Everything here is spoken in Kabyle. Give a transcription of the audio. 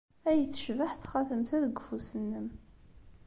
Ay tecbeḥ txatemt-a deg ufus-nnem!